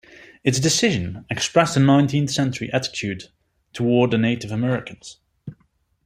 Its decision expressed the nineteenth-century attitude toward the Native Americans.